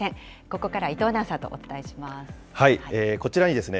ここからは伊藤アナウンサーとお伝えします。